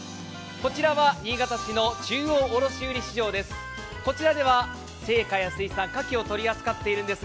こちらは新潟市の中央卸売市場です。